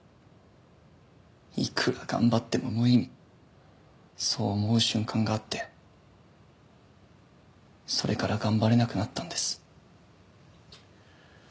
いくら頑張っても無意味そう思う瞬間があってそれから頑張れなくなったんです。